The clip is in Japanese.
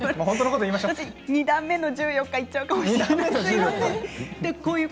私、２段目の１４日いっちゃうかもしれないです。